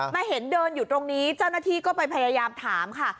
มาเห็นเดินอยู่ตรงนี้เจ้าหน้าที่ก็ไปพยายามถามค่ะ